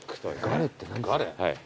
ガレって何ですか？